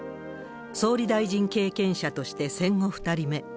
総理大臣経験者として戦後２人目。